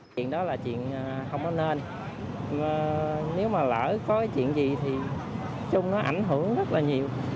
chuyện đó là chuyện không có nên nếu mà lỡ có cái chuyện gì thì chung nó ảnh hưởng rất là nhiều